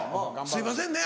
すいませんね